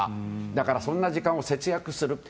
だから、そんな時間を節約する。